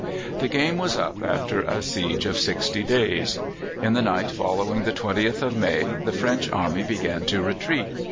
The game was up after a siege of sixty days: in the night following the 20th of May the French army began to retreat.